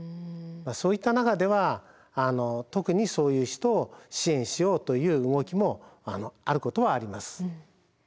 そういった中では特にそういう人を支援しようという動きもあることはあります。